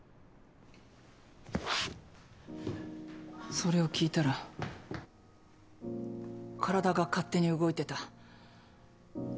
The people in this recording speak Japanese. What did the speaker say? それを聞いたら体が勝手に動いてた。